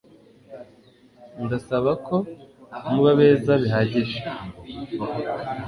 Ndasaba ko muba beza bihagije